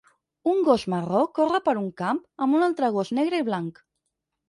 Un gos marró corre per un camp amb un altre gos negre i blanc.